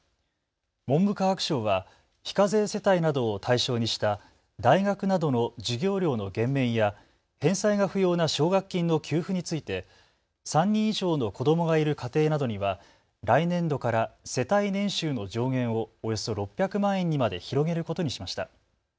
文部科学省は非課税世帯などを対象にした大学などの授業料の減免や返済が不要な奨学金の給付について３人以上の子どもがいる家庭などには来年度から世帯年収の上限をおよそ６００万円にまで広げることにしました。